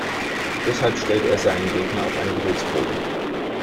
Deshalb stellt er seinen Gegner auf eine Geduldsprobe.